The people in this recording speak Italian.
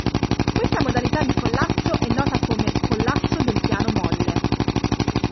Questa modalità di collasso è nota come "collasso del piano molle".